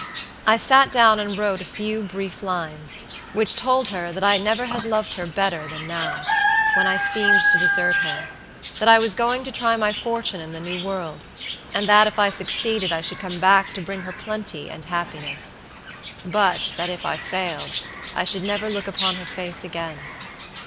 I sat down and wrote a few brief lines, which told her that I never had loved her better than now, when I seemed to desert her; that I was going to try my fortune in the new world, and that if I succeeded I should come back to bring her plenty and happiness; but that if I failed I should never look upon her face again.